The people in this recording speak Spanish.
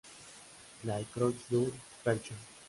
La Croix-du-Perche